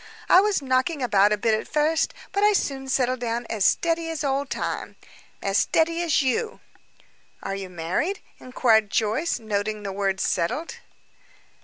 I was knocking about a bit at first, but I soon settled down as steady as Old Time as steady as you." "Are you married?" inquired Joyce, noting the word "settled."